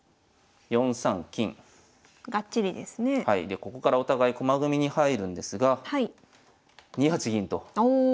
でここからお互い駒組みに入るんですが２八銀とおお。